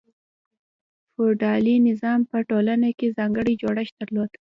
فیوډالي نظام په ټولنه کې ځانګړی جوړښت درلود.